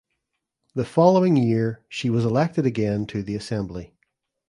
The following year she was elected again to the Assembly.